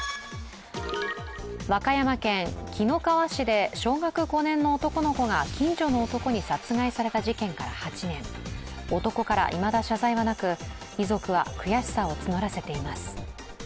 和歌山県紀の川市で小学５年の男の子が近所の男に殺害された事件から８年男からいまだ謝罪はなく遺族は悔しさを募らせています。